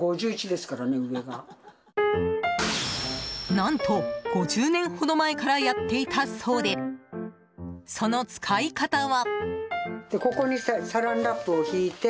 何と、５０年ほど前からやっていたそうでその使い方は。